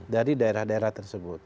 dari daerah daerah tersebut